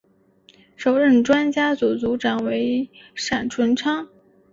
首任专家组组长为闪淳昌。